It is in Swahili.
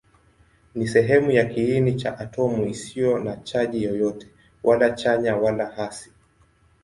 Ni sehemu ya kiini cha atomi isiyo na chaji yoyote, wala chanya wala hasi.